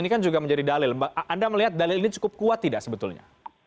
ini kan juga menjadi dalil anda melihat dalil ini cukup kuat tidak sebetulnya